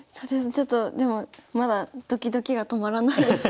ちょっとでもまだドキドキが止まらないです。